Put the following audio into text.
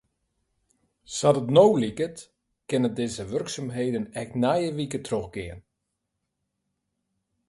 Sa't it no liket kinne dizze wurksumheden ek nije wike trochgean.